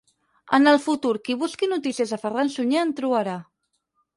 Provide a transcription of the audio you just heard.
En el futur qui busqui notícies de Ferran Sunyer en trobarà.